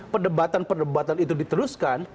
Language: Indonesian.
perdebatan perdebatan itu diteruskan